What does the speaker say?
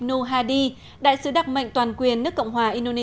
nếu nhìn theo truyền thông tin